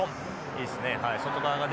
いいですねはい。